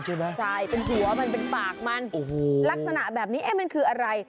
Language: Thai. ใช่เป็นหัวมันเป็นฝากมันลักษณะแบบนี้มันคืออะไร